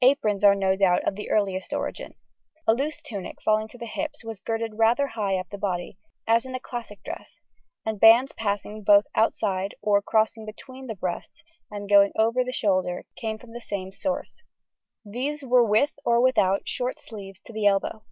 Aprons are no doubt of the earliest origin. A loose tunic falling to the hips was girded rather high up the body, as in the classic dress, and bands passing both outside or crossing between the breasts and going over the shoulder came from the same source; these were with, or without, short sleeves to the elbow.